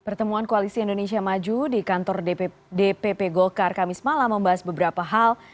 pertemuan koalisi indonesia maju di kantor dpp golkar kamis malam membahas beberapa hal